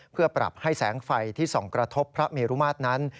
เพื่อปรับให้แสงไฟที่ส่องกระทบพระเมรุมาตรนั้น